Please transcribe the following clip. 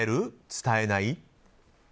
伝えない？